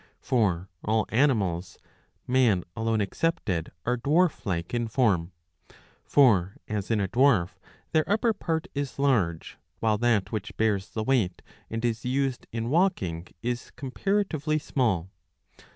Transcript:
For all animals, man alone excepted, are dwarf like in form. For, as in a dwarf, their upper part is large, while that which bears the weight and is used in walking is comparatively small.